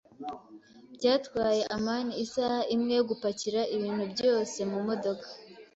Byatwaye amani isaha imwe yo gupakira ibintu byose mumodoka.